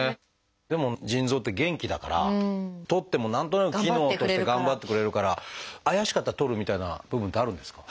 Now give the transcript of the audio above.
でも腎臓って元気だからとっても何となく機能として頑張ってくれるから怪しかったらとるみたいな部分ってあるんですか？